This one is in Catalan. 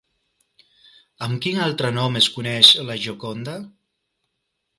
Amb quin altre nom es coneix La Gioconda?